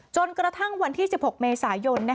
จนกระทั่งวันที่๑๖เมษายน